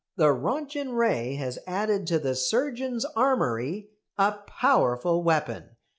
The Röntgen ray has added to the surgeon's armoury a powerful weapon.